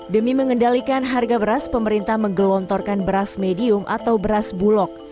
demi mengendalikan harga beras pemerintah menggelontorkan beras medium atau beras bulog